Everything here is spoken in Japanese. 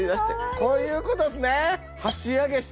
こういうことですね！